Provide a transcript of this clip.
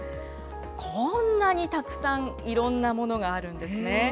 こんなにたくさんいろんなものがあるんですね。